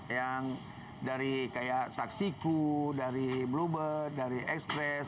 yang dari kayak taksiku dari bluebird dari express